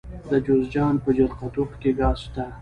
د جوزجان په جرقدوق کې ګاز شته.